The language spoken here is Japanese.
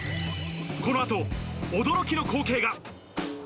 このあと、驚きの光景が。